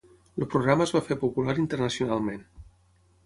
El programa es va fer popular internacionalment.